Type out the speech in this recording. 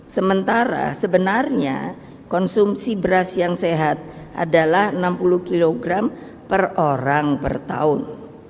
sementara sebenarnya konsumsi beras yang sehat adalah enam puluh kg per orang per tahun